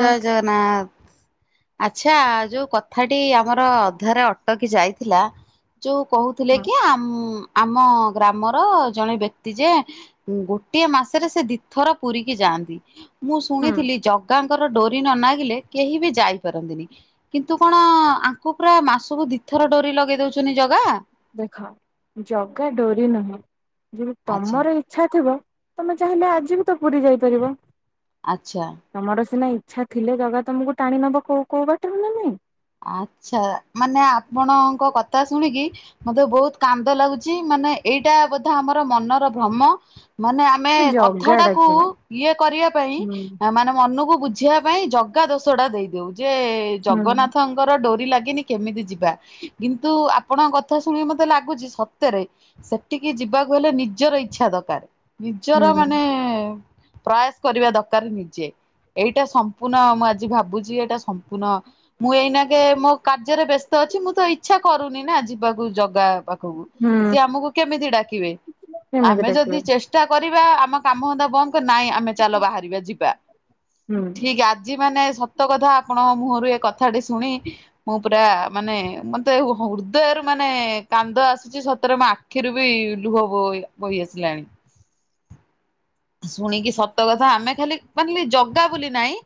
ଜୟ ଜଗନ୍ନାଥ। ଆଚ୍ଛା ଯୋଉ କଥାଟି ଆମର ଅଧାରେ ଅଟକି ଯାଇଥିଲା। ଯୋଉ କହୁଥିଲେ ହଁ କି ଆମ୍ ଆମ ଗ୍ରାମର ଜଣେ ବ୍ୟକ୍ତି ଯିଏ ଗୋଟିଏ ମାସରେ ସେ ଦିଥର ପୁରୀକି ଯାଆନ୍ତି ମୁଁ ହୁଁ ଶୁଣିଥିଲି ଜ ଗାଙ୍କର ଡୋରି ନ ନାଗିଲେ କେହି ବି ଯାଇପାରନ୍ତିନି। କିନ୍ତୁ କଣ ଆଙ୍କୁୁ ପୁରା ମାସୁକୁ ଦିଥର ଡୋରି ଲଗେଇ ଦଉଛନ୍ତିି ଜଗା? ଦେଖ ଜଗା ଡୋରି ନୁହେଁ ଯେବେ ଆଚ୍ଛା ତମର ଇ ଇଛା ଥିବ ତମେ ଚାହିଁଲେ ଆଜି ବି ତ ପୁରୀ ଯାଇପାରିବ। ଆଚ୍ଛା। ତମର ସିନା ଇଚ୍ଛା ଥିଲେ ଜଗା ତମକୁ ଟାଣି ନବ କୋଉ କୋଉ ବାଟ ରୁ ନା ନାଇଁ। ଆଛା ମାନେ ଆପଣଙ୍କ କଥା ଶୁଣିକି ମତେ ବହୁତ କାନ୍ଦ ଲାଗୁଛି ମାନେ ଏଇଟା ବୋଧେ ଆମର ମନର ଭ୍ରମ ମାନେ ଆମେ ସେ କଥା ଜଗା ଟାକୁ ଡାକିବ ଇଏ କରିବା ପାଇଁ ହୁଁ ମାନେ ମନକୁ ବୁଝ ଝିିବା ପାଇଁ ଜଗା ଦୋଷଟା ଦେଇଦେଉ ଯେ ହୁଁ ଜଗନ୍ନାଥଙ୍କର ଡୋରି ଲାଗିନି କେମିତି ଯିବା। କିନ୍ତୁ ଆପଣଙ୍କ କଥା ଶୁଣି ମତେ ଲାଗୁଛି ସତରେ ସେଟିକି ଯିବାକୁ ହେଲେ ନିଜର ଇଛା ଦରକାର ନିଜର ହୁଁ ମାନେ ପ୍ରୟାସ କରିବା ଦକାର ନିଜେ ଏଇଟା ସମ୍ପୂର୍ଣ୍ଣ ମୁଁ ଆଜି ଭାବୁଛି ଏଇଟା ସମ୍ପୂର୍ଣ୍ଣ ମୁଁ ଏଇନାକେ ମୋ କାର୍ଯ୍ୟରେ ବ୍ୟସ୍ତ ଅଛି ମୁଁ ତ ଇଛା କରୁନି ନା ଯିବାକୁ ଜଗା ପାଖକୁ ହୁଁ ସେ ଆମକୁ କେମିତି ଡାକିବେ। ସେମିତି ଆମେ ଡାକିବେ ଯଦି ଚେଷ୍ଟା କରିବା ଆମ କାମ ଧନ୍ଦା ବନ୍ଦ କରି ନାଇଁ ଆମେ ଚାଲ ବାହାରିବା ଯିବା। ହୁଁ। ଠିକ୍ ଆଜି ମାନେ ସତ କଥା ଆପଣଙ୍କ ମୁହଁରୁ ଏ କଥାଟି ଶୁଣି ମୁଁ ପୁରା ମାନେ ମତେ ହୃଦୟରୁ ମାନେ କାନ୍ଦ ଆସୁଛି ସତରେ ମ ଆ ଆଖିରୁ ବି ଲୁହ ବ ବୋହି ଆସିଲାଣି। ଶୁଣିକି ସତ କଥା ଆମେ ଖାଲି ମାନେ ଜଗା ବୋଲି ନାଇଁ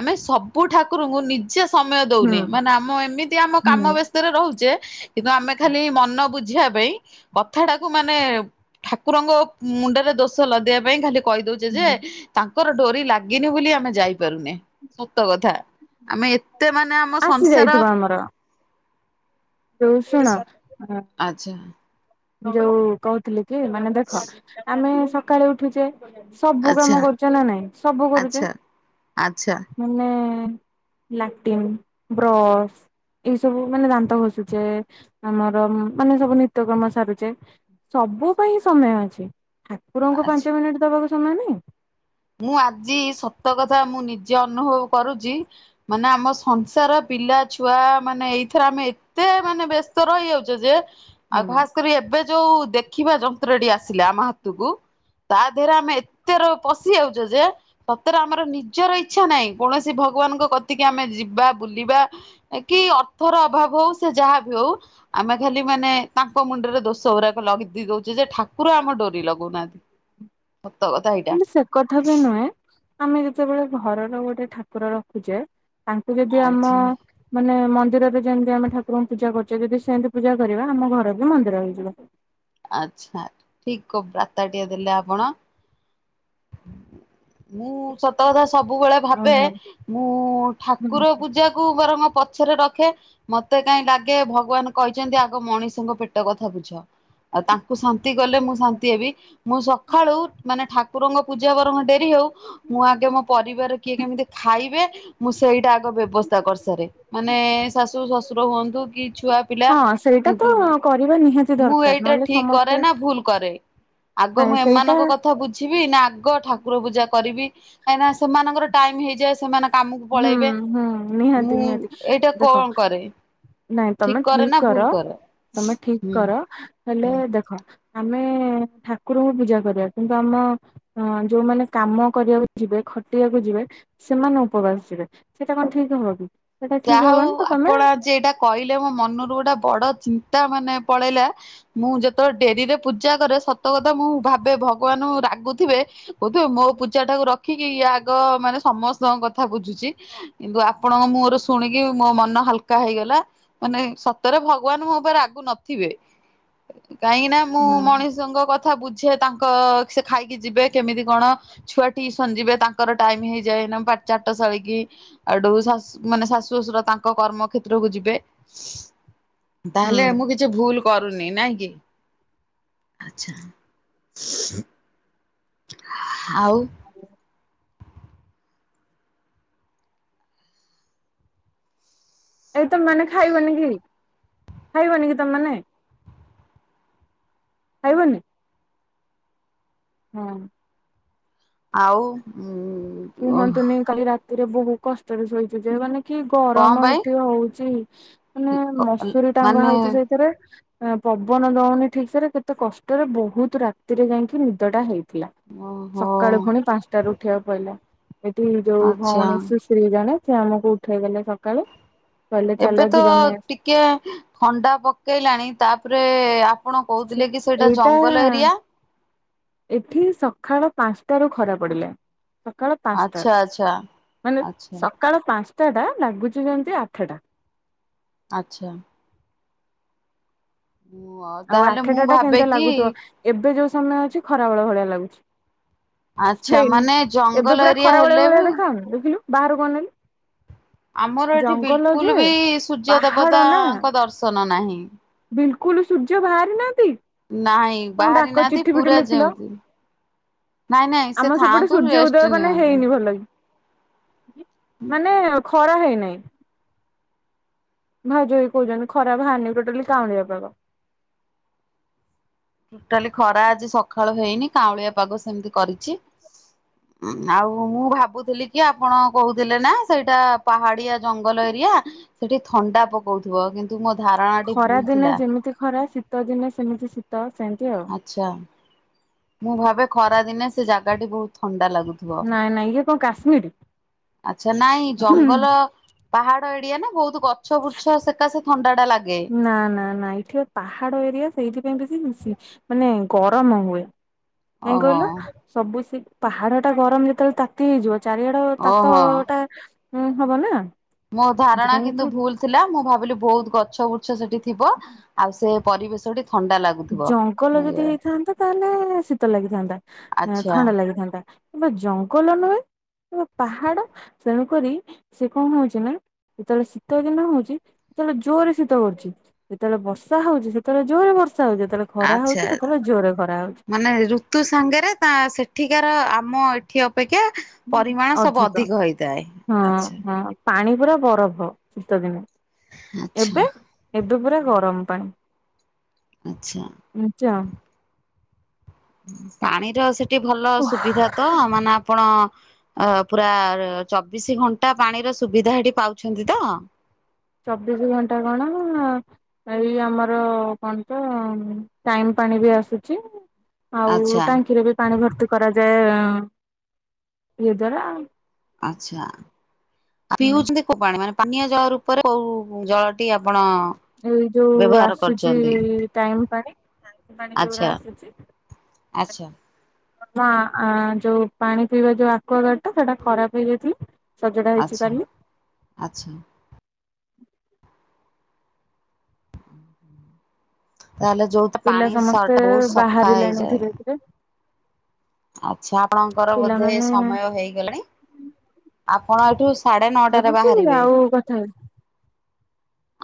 ଆମେ ସବୁ ଠାକୁରଙ୍କୁ ନି ସିଏ ସମୟ ହୁଁ ଦଉନି ମାନେ ଆମ ଏମିତି ଆମ କାମ ହୁଁ ବ୍ୟସ୍ତରେ ରହୁଛେ। କିନ୍ତୁ ଆମେ ଖାଲି ମନ ବୁଝିବା ପାଇଁ କଥା ଟାକୁ ମାନେ ଠାକୁରଙ୍କ ମୁଣ୍ଡରେ ଦୋଷ ଲଦେଇବା ପାଇଁ ଖାଲି କହିଦଉ ଚେ ଯେ ତାଙ୍କର ଡୋରି ଲାଗିନି, ବୋଲି ଆମେ ଯାଇପାରୁନେ ସତ କଥା। ଆମେ ଏତେ ମାନେ ଆମ ଆସି ସଂସାର ଯାଇଥିବ ଆମର ଯୋଉ ଶୁଣ ଆଚ୍ଛା ଯୋଉ କହୁଥିଲି ଯେ ମାନେ ଦେଖ ଆମେ ସକାଳେ ଉଠୁଛେ। ସବୁ ଆଚ୍ଛା କାମ କରୁଚେ ନା ନାଇଁ, ସବୁ କରୁଛେ। ଆଚ୍ଛା ଆଚ୍ଛା ମାନେ ଲାଟିନ୍ ବ୍ରସ୍, ଏଇ ସବୁ ମାନେ ଦାନ୍ତ ଘଷୁ ଯେ ଆମର ମାନେ ସବୁ ନିତ୍ୟ କର୍ମ ସାରୁ ଚେ। ସବୁ ପାଇଁ ସମୟ ଅଛି, ଠାକୁରଙ୍କୁ ଆଚ୍ଛା। ପାଞ୍ଚ ମିନିଟ ଦବାକୁ ସମୟ ନାଇଁ। ମୁଁ ଆଜି ସତ କଥା, ମୁଁ ନିଜେ ଅନୁଭବ କରୁଛି। ମାନେ ଆମ ସଂସାର ପିଲା ଛୁଆ ମାନେ ଏଇଥରେ ଆମେ ଏତେ ମାନେ ବେସ୍ତ ତ ରହିଯାଉଛ ଯେ, ଆଉ ହୁଁ ଖାସ କରି ଏବେ ଯୋଉ ଦେଖିବା ଯନ୍ତ୍ରଟି ଆସିଲା ଆମ ହାତୁକୁ ତା ଦେହରେ ଆମେ ଏତେ ରୋ ପ ସି ଯାଉଚ ଯେ ସତରେ ଆମର ନିଜର ଇଚ୍ଛା ନାହିଁ କୌଣସି ଭଗବାନଙ୍କ କତିକି ଆମେ ଯିବା ବୁଲିବା କି ଅର୍ଥର ଅଭାବ ହଉ ସେ ଯାହା ବି ହଉ ଆମେ ଖାଲି ମାନେ ତାଙ୍କ ମୁଣ୍ଡରେ ଦୋଷ ଗୁରାକ ଲଦି ଦଉଚ ଯେ ଠାକୁର ଆମ ଡୋରି ଲଗଉନାହା ସତ କଥା ହେଇ ଖାଲି ସେ କଥା ବି ନୁହେଁ ଆମେ ଯେତବେଳେ ଘରର ଗୋଟେ ଠାକୁର ରଖୁଚେ ତାଙ୍କୁ ଯଦି ଆମ ଆଛି ମାନେ ମନ୍ଦିରରେ ଯେମିତି ଆମେ ଠାରଙ୍କୁ ପୂଜା କରୁଚେ ଯଦି ସେମିତି ପୂଜା କରିବା ଆମ ଘର ବି ମନ୍ଦିର ହେଇଯିବ। ଆଚ୍ଛା ଠିକ କ ବାର୍ତ୍ତା ଟିଏ ଦେଲେ ଆପଣ। ମୁଁ ସତ କଥା ସବୁବେଳେ ଭାବେ ଓହୋ। ମୁଁ ଠାକୁର ପୂଜା ଙ୍କୁ ବରଂ ପଛରେ ରଖେ ମତେ କାଇଁ ଲାଗେ ଭଗବାନ କଇଚନ୍ତି ଆଗ ମଣିଷଙ୍କ ପେ ଟ କଥା ବୁଝ ଆଉ ତାଙ୍କୁ ଶାନ୍ତି କଲେ ମୁଁ ଶାନ୍ତି ହେବି ମୁଁ ସଖାଳୁ ମାନେ ଠା କୁରଙ୍କ ପୂଜା ବରଙ୍ଗ ଡେରି ହଉ। ମୁଁ ଆଗେ ମୋ ପରିବାର କିଏ କେମିତି ଖାଇବେ ମୁଁ ସେଇଟା ଆଗ ବ୍ୟବସ୍ଥା କରିସାରେ। ମାନେ ଶାଶୁ ଶ୍ୱଶୁର ହୁଅନ୍ତୁ କି ଛୁଆ ପିଲା ହଁ ସେଇଟା ତ କିନ୍ତୁ କରିବା ନିହାତି ମୁଁ ଦରକାର ଏଇଟା ନହେଲେ ଠିକ କରେ ସମସ୍ତେ ନା ଭୁଲ କରେ ଆଗ ନାଇଁ ମୁଁ ସେଇଟା ଏମାନଙ୍କ କ ଥା ବୁଝିବି ନା ଆଗ ଠାକୁର ପୂଜା କରିବି କାହିଁକିନା ସେମାନଙ୍କର ଟାଇମ ହେଇଯାଏ ସେମାନେ କାମୁକୁ ହୁଁ ପଳେଇବେ ହୁଁ ନିହାତି ମୁଁ ନିହାତି ଏଇଟା ଦେଖ କଣ କରେ? ନାଇଁ ତମେ କରେ ଠିକ ନା ଭୁଲ କର କରେ ତମେ ଠିକ ହୁଁ। କର ହେଲେ ଦେଖ ଆମେ ଠାକୁରଙ୍କୁ ପୂଜା କରିବା କିନ୍ତୁ ଆମ ହଁ ଯୋଉମାନେ କାମ କରିବାକୁ ଯିବେ ଖଟିବାକୁ ଯିବେ ସେମାନେ ଉ ଉପବାସ ରେ ସେଇଟା କଣ ଠିକ ହବ କି? ସେଟା ଯାହା ଠିକ ହଉ ହବନି ତ ତମେ ଆପଣ ଆଜି ଏଇଟା କହିଲେ ମୋ ମନରୁ ଗୋଟେ ବଡ ଚିନ୍ତା ମାନେ ପଳେଇଲା। ମୁଁ ଯେତବେଳେ ଡେରିରେ ପୂଜା କରେ ସତ କଥା ମୁଁ ଭାବେ ଭଗବାନ ରାଗୁଥୁବେ କହୁଥୁବେ ମୋ ପୂଜା ଟାକୁ ରଖିକି ଇଏ ଆଗ ମାନେ ସମସ୍ତଙ୍କ କଥା ବୁଝୁଚି। କିନ୍ତୁ ଆପଣଙ୍କ [unintelligible] ଶୁଣିକି ମୋ ମନ ହାଲକା ହେଇଗଲା ମାନେ ସତରେ ଭଗବାନ ମୋ ଉପରେ ରାଗୁ ନଥିବେ। କାହିଁକି ନା ମୁଁ ମଣିଷଙ୍କ କ ଥା ବୁଝେ ତାଙ୍କ ସେ ଖାଇକି ଯିବେ କେମିତି କଣ? ଛୁଆ ଟିସନ୍ ଯିବେ ତାଙ୍କର ଟାଇମ ହେଇଯାଏ ନା ପା ସାଳୀ କି ଏଠୁ ଶା-ମାନେ ଶାଶୁ ଶାଶୁ ଶଶୁର ତାଙ୍କ କର୍ମ କ୍ଷେତ୍ରକୁ ଯିବେ ତାହେଲେ ହୁଁ ମୁଁ କି ଛି ଭୁଲ କରୁନି ନାଇଁ କି ଆଛା। ଆଉ ଏଇ ତମ ମାନେ ଖାଇବନି କି ଖାଇବନି କି ତମ ମାନେ? ଖାଇବନି? ହଁ। ଆଉ ଉଁ କୁହନ୍ତୁନି କାଲି ରାତିରେ ବହୁ କଷ୍ଟରେ ଶୋଇଛୁ ଯେ ମାନେ କି କଣ ଗରମ ପାଇଁ? ଏଠି ହଉଚି ମାନେ ମସୁରୀ ଟଙ୍ଗା ମାନେ ହଉଚି ସେଇ ତିରେ ପବନ ଦଉନି ଠିକ୍ ସେରେ କେତେ କଷ୍ଟରେ ବହୁତ ରାତିରେ ଯାଇକି ନିଦଟା ହେଇ ଥିଲା ଓହୋ ସକାଳୁ ଫୁଣୀ ପାଞ୍ଚଟ ରୁ ଉଠିବାକୁ ପଇଲା ଏଠି ଯୋଉ ଆଚ୍ଛା ଭଉଣୀ ସିଶ୍ ସ୍ତ୍ରୀ ଜଣେ ସିଏ ଆମକୁ ଉଠେଇଦଲେ ସକାଳେ କହିଲେ ଏବେ ଚାଲ ତ ଯିବା ମେ ଟିକେ ଥଣ୍ଡା ପକେଇଲାଣି ତାପରେ ଆ ଆପଣ କହୁଥିଲେ କି ସେଇଟା ଏଇଟା ଜଙ୍ଗଲ ଏରିଆ। ଏଠି ସକାଳ ପାଞ୍ଚଟାରୁ ଖରା ପଡ଼ିଲା। ସକାଳ ପାଞ୍ଚଟା ଆଚ୍ଛା ଆଚ୍ଛା ମାନେ ଆଚ୍ଛା ସକାଳ ପାଞ୍ଚଟା ଟା ଲାଗୁଛି ଯେମିତି ଆଠଟା। ଆଚ୍ଛା। ମୁଁ ଆଉ ତାହେଲେ ଆଠଟା ମୁଁ ଟା ଭାବେ କେମିତା କି ଲାଗୁଥିବ ଏବେ ଯୋଉ ସମୟ ଅଛି ଖରା ବେଳ ଭଳିଆ ଲାଗୁଛି। ଆଚ୍ଛା ହେଇନି ମାନେ ଜଙ୍ଗଲ ଏବେ ପୁରା ଏରିଆ ଖରା ଭଳିଆ ହେଲେ ବି ଭଳିଆ ଦେଖାଉନି ଦେଖିଲୁ ବାହାରୁ କୁ ଅନେଇଲୁ। ଆମର ଏଠି ବିଲ୍ ଜଙ୍ଗଲ କୁଲ୍ ଯେ ବି ସୂର୍ଯ୍ୟ ପାହାଡ ନା ଦେବତାଙ୍କ ଦର୍ଶନ ନାହିଁ। ବିଲକୁଲ ସୂର୍ଯ୍ୟ ବାହାରି ନାହାନ୍ତି। ନାହିଁ ତମେ ବାହାରି ଡାକ ନାହାନ୍ତି ଚିଠି ଫିଠି ପୁରା ଲେଖିଲ ଯେମତି। ଆମ ସେପଟେ ସୂର୍ଯ୍ୟ ରେଷ୍ଟ ଉଦୟ ମାନେ ନିଅନ୍ତୁ। ହେଇନି ଭଲ କି ମାନେ ଖରା ହେଇନାହିଁ। ଭାଉଜ ବି କହୁଛନ୍ତି ଖରାପ ବାହାରିନି ଟୋଟାଲି କାଉଁଳିଆ ପାଗ। ଟୋଟାଲି ଖରା ଆଜି ସକାଳୁ ହେଇନି କାଉଁଳିଆ ପାଗ ସେମିତି କରିଛି। ଆଉ ମୁଁ ଭାବୁଥିଲି କି ଆପଣ କହୁଥିଲେ ନା ସେଇଟା ପାହାଡିଆ ଜଙ୍ଗଲ ଏରିଆ। ସେଠି ଥଣ୍ଡା ପକଉଥିବ କିନ୍ତୁ ମୋ ଧାରଣା ଟି ଖରା ଭୁଲ ଦିନେ ଥିଲା ଯେମିତି ଖରା ଶୀତ ଦିନେ ସେମିତି ଶୀତ ସେମିତି ଆଉ। ଆଛା ମୁଁ ଭାବେ ଖରା ଦିନେ ସେ ଜାଗାଟି ବହୁତ ଥଣ୍ଡା ଲାଗୁଛି। ଥୁଅ ନାଇଁ ନାଇଁ ଇଏ କଣ କାଶ୍ମୀର ଆଛା ନାଇଁ ହୁଁ। ଜଙ୍ଗଲ। ପାହାଡ ଏଡିଆ ନା ବହୁତ ଗଛ ବୄଛ ସେକା ସେ ଥଣ୍ଡା ଟା ଲାଗେ। ନା ନା ନା ଏଠି ପାହାଡ ଏରିଆ ସେଇଥିପାଇଁ ବେଶୀ ମିସି ମାନେ ଗରମ ହୁଏ। କାଇଁ ଓହୋ କହିଲ ସବୁ ସେ ପାହାଡ ଟା ଗରମ ଯେତେବେଳେ ତାତି ହେଇଯିବ। ଚାରିଆଡ ତାତ ଓହୋ। ଟା ହବ ନା। ମୋ ଧାରଣା ସେଥିପାଇଁ କିନ୍ତୁ ଏଠି ଭୁଲ୍ ଥିଲା ମୁଁ ଭାବିଲି ବହୁତ ଗଛ ବୄଛ ସେଠି ଥିବ ଆଉ ସେ ପରିବେଶଠି ଥଣ୍ଡା ଲାଗୁ ଜଙ୍ଗଲ ଯଦି ହେଇଥାନ୍ତା ତାହେଲେ ଶୀତ ଲାଗିଥାନ୍ତା ଆଚ୍ଛା। ଥଣ୍ଡା ଲାଗିଥାନ୍ତା। କିମ୍ବା ଜଙ୍ଗଲ ନୁହେଁ କିମ୍ବା ପାହାଡ ତେଣୁକରି ସେ କଣ ହଉଛି ନା। ଯେତେବେଳେ ଶୀତ ଦିନ ହଉଛି ସେତେବେଳେ ଜୋରରେ ଶୀତ କରୁଛି। ଯେତେବେଳେ ବର୍ଷା ହଉଛି ସେତେବେଳେ ଜୋରେ ବର୍ଷା ହଉଛି ଯେତେବେଳେ ଖରା ହଉଛି ଆଚ୍ଛା ସେତେବେଳେ ଜୋରେ ଖରା ହଉଛି। ମାନେ ଏଇ ଯୋଉ ତୁ ସାଙ୍ଗରେ ତା ସେଠିକାର ଆମ ଏଠି ଅପେକ୍ଷା ପରିମାଣ ସବୁ ଅଧିକ ହେଇଥାଏ ହଁ ଆଛା। ହଁ ପାଣି ପୁରା ବରଫ ଶୀତ ଦିନେ ଆଚ୍ଛା ଏବେ ଏବେ ପୁରା ଗରମ ପାଣି। ଆଚ୍ଛା। ଏମିତି ଆଉ। ପାଣିର ସେଠି ଭଲ ସୁବିଧା ତ ମାନେ ଆପଣ ଅ ପୁରା ଚବିଶି ଘଣ୍ଟା ପାଣିର ସୁବିଧା ଏଠି ପାଉଛନ୍ତି ତ? ଚବିଶ ଘଣ୍ଟା କଣ। ଏଇ ଆମର କଣ ତ ଟାଇମ ପାଣି ବି ଆସୁଛି। ଆଉ ଆଚ୍ଛା ଟାଙ୍କିରେ ବି ପାଣି ଭର୍ତ୍ତି କରାଯାଏ ଇଏ ଦ୍ଵାରା। ଆଛା ପିଉଛନ୍ତି। କଉ ପାଣି ମାନେ ପାନୀୟ ଜଳ ରୂପରେ କୌ ଜଳଟି ଆପଣ ଏଇ ଯୋଉ ବ୍ୟବହାର ଆସୁଛି କରୁଛନ୍ତି ଟାଇମ୍ ପାଣି ପାଣି ଆଚ୍ଛା ଯୋଉରା ଆସୁଛି। ଆଚ୍ଛା। ମା ଆ ଯୋଉ ପାଣି ପିଇବା ଯୋଉ ଆକୁୁଆଗାଡ ଟା ସେଇଟା ଖରାପ ହେଇଯାଇଥିଲା। ସଜଡା ହେଇଛି ଆଚ୍ଛା କାଲି ଆଚ୍ଛା। ତାହେଲେ ଯୋଉ ତ ପିଲା ପାଣି ସମସ୍ତେ [unintelligible] ବୋହୁତ ସଫା ବାହାରିଲେଣି ହେଇଯାଏ। ଧୀରେ ଧୀରେ ଆଚ୍ଛା ଆପଣଙ୍କର ବୋଧେ ପିଲାମାନେ ସମୟ ହେଇଗଲାଣି ଆପଣ ଏଠୁ ସାଢ଼େ ନଅଟାରେ ତାପରେ ବାହାରିବେ। ଆଉ କଥା ହେବି।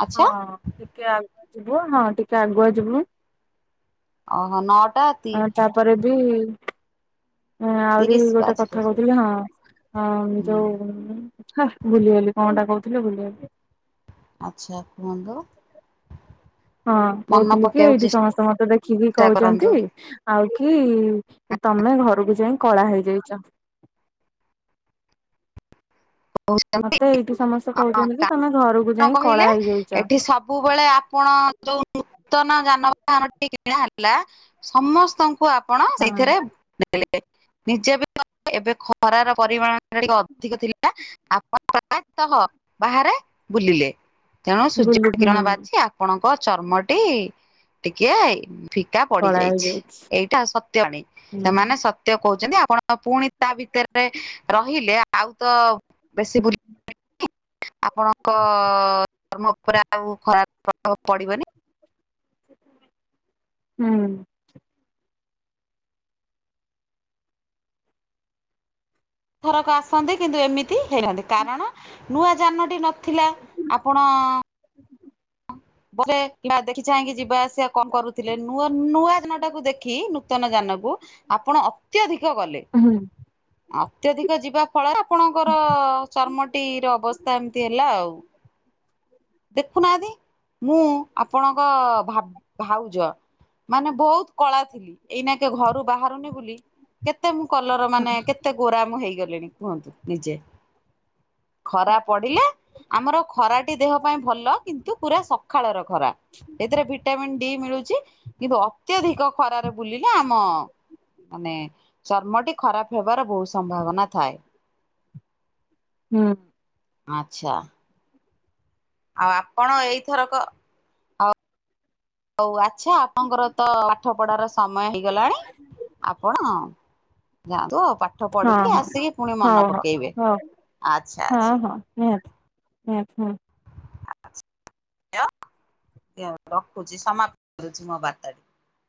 ଆଚ୍ଛା ହଁ ଟିକେ ଆଗୁଆ ଯିବୁ ହଁ ଟିକେ ଆଗୁଆ ଯିବୁ। ଅ ହ ନଅଟା ତି ଆ ତାପରେ ବି ହଁ ଆହୁରି ତିରିଶ ଗୋଟେ କଥା ବାଜିଲେ ଯିବେ କହୁଥିଲି ହଁହଁ ହୁଁ। ଯୋଉ ହେ ଭୁଲିଗଲି କଣଟା କହୁଥିଲି ଭୁଲିଗଲି। ଆଚ୍ଛା କୁହନ୍ତୁ? ହଁ ମନ କହୁଥିଲି କି ପକେଇବାକୁ ଏଇଠି ଚେଷ୍ଟା ସମସ୍ତେ ମତେ ଦେଖିକି କୋ କରନ୍ତୁ ହୁଚନ୍ତି ଆଉ କି ତମେ ଘରକୁ ଯାଇଁ କଳା ହେଇଯାଇଚ। [unintelligible] ମତେ ଏଇଠି ସମସ୍ତେ କହୁଛନ୍ତି କି ତମେ ଘରକୁ ଯାଇ କଳା ହେଇଯାଇଛ। ଏଠି ସବୁ ସବୁବେଳେ ଆପଣ ଯୋଉ ନୂତନ ଯାନବାହାନଟି କିଣା ହେଲା ସମସ୍ତଙ୍କୁ ଆପଣ ସେଇଥିରେ ହଁ [unintelligible] ଲେ ନିଜେ ବି ଏବେ ଖରାର ପରିମାଣ ଟିକେ ଅଧିକ ଥିଲା। [unintelligible] ଆପଣ ପ୍ରାୟତଃ ବାହାରେ ବୁଲିଲେ। ତେଣୁ ଗୁଲୁ ସୂର୍ଯ୍ୟ ହୁଁ କିରଣ ବାଜି ଆପଣଙ୍କ ଚର୍ମଟି ଟିକିଏ ଫିକା କଳା ହେଇଯାଇଛି ପଡିଯାଇଛିଏଇଟା ସତ୍ୟ ନୀ ହୁଁ ସେମାନେ ସତ [unintelligible] କହୁଚନ୍ତି ଆପଣ ପୁଣି ତା ଭିତରେ ରହିଲେ ଆଉ ତ ବେଶୀ ବୁ ଆପଣଙ୍କ ଚର୍ମ ଉପରେ ଆଉ ଖରାପ ପ୍ରଭାବ ପଡ଼ିବନି। ହୁଁ। ଏ ଥରକ ଆସନ୍ତି କିନ୍ତୁ ଏମିତି ହେଇନଥାନ୍ତି କାରଣ ନୂଆ ଯାନଟି ନ ଥିଲା ଆପଣ [inaudible] [unintelligible] ଦେଖି ଚାହିଁକି ଯିବା ଆସିବା କଣ କରୁଥିଲେ ନୂଆ ନୂଆ ଜାନା ଟାକୁ ଦେଖି ନୂତନ ଯାନକୁ ଆପଣ ଅତ୍ୟଧିକ ଗଲେ। ହୁଁ। [inaudible] ଅତ୍ୟଧିକ ଯିବା ଫଳରେ ଆପଣଙ୍କର ଚର୍ମଟି ର ଅବସ୍ଥା ଏମିତି ହେଲା ଆଉ ଦେଖୁନାହାନ୍ତିି ମୁଁ ଆପଣଙ୍କ ଭା ଭାଉଜ ମାନେ ବୋହୁତ କଳା ଥିଲି ଏଇନାକେ ଘରୁ ବାହାରୁନି ବୋଲି କେତେ ମୁଁ କଲର ମାନେ କେତେ ଗୋରା ମୁଁ ହେଇଗଲିଣି କୁହନ୍ତୁ ନିଜେ ଖରା ପଡିଲେ ଆମର ଖରାଟି ଦେହ ପାଇଁ ଭଲ କିନ୍ତୁ ପୁରା ସଖାଳର ଖରା। [inaudible] ଏଥିରେ ଭିଟାମିିନ ଡି ମିଳୁଚି କିନ୍ତୁ ଅତ୍ୟଧିକ ଖରାରେ ବୁଲିଲେ ଆମ ମାନେ ଚର୍ମଟି ଖରାପ ହେବାର ବୋହୁତ ସମ୍ଭାବନା ଥାଏ। ହୁଁ। ଆଚ୍ଛା। ଆଉ ଆପଣ ଏଇଥରକ ହୋଉ ଆଚ୍ଛା ଆପଣଙ୍କର ତ ପାଠ ପଢ଼ାର ସମୟ ହେଇଗଲାଣି ଆପଣ ଯାଆନ୍ତୁ ଆଉ ପାଠ ହଁ ପଢ଼ିକି ହଁ ଆସିକି ପୁଣି ହଉ ମନ ହଉ ପକେଇବେ ହଉ ଆଛା ହଁ ଆଚ୍ଛା ହଁ ନିହାତି। [unintelligible] ଝିଅ ରଖୁଚି ସମାପ୍ତ କରୁଚି ମୋ ବାର୍ତ୍ତାଟି